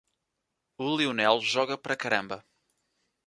O Lionel joga pra caramba.